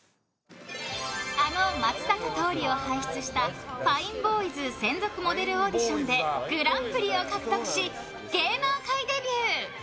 あの松坂桃李を輩出した「ＦＩＮＥＢＯＹＳ」専属モデルオーディションでグランプリを獲得し芸能界デビュー。